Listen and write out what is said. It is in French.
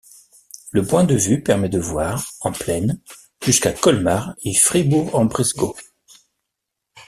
Le point de vue permet de voir, en plaine, jusqu'à Colmar et Fribourg-en-Brisgau.